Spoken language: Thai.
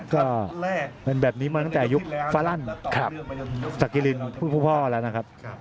ก็เป็นแบบนี้มาตั้งแต่ยุคฟาลั่นสักกิรินพูดพ่อแล้วนะครับ